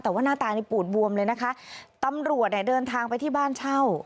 แต่ว่าหน้าตานี่ปูดบวมเลยนะคะตำรวจเนี่ยเดินทางไปที่บ้านเช่า